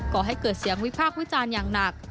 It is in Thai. ่อให้เกิดเสียงวิพากษ์วิจารณ์อย่างหนัก